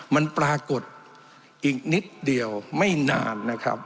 มันปรากฏอีกนิดเดียวไม่นาน